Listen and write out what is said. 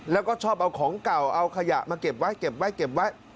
แล้วก็ชอบเอาของเก่าเอาขยะมาเก็บไว้เก็บไว้เก็บไว้